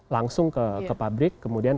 langsung ke pabrik kemudian